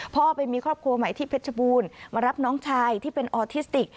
พ่อไปมีครอบครัวใหม่ที่เพชรบูรณ์มารับน้องชายที่เป็นออทิสติก